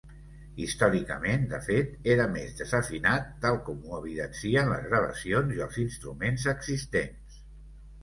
Històricament de fet, era més desafinat, tal com ho evidencien les gravacions i els instruments existents.